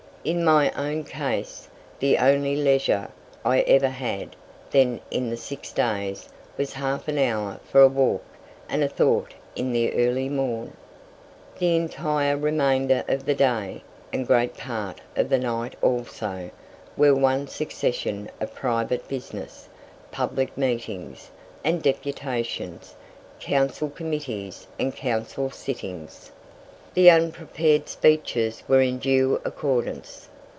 In my own case, the only "leisure" I ever had then in the six days was half an hour for a walk and a thought in the early morn. The entire remainder of the day, and great part of the night also, were one succession of private business, public meetings, and deputations, Council Committees and Council sittings. The unprepared speeches were in due accordance.